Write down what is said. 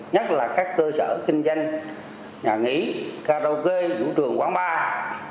nhất là các cơ sở kinh doanh nhà nghỉ karaoke vũ trường quán bar